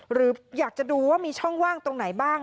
หรืออยากจะดูว่ามีช่องว่างตรงไหนบ้าง